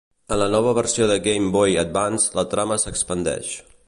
En la nova versió de Game Boy Advance la trama s'expandeix.